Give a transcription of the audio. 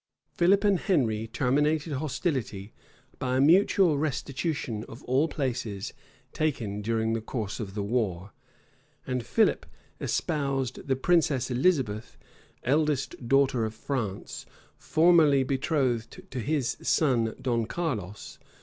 Philip and Henry terminated hostilities by a mutual restitution of all places taken during the course of the war; and Philip espoused the princess Elizabeth, eldest daughter of France, formerly betrothed to his son Don Carlos.